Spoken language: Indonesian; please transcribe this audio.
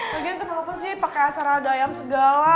lagian kenapa sih pake acara ada ayam segala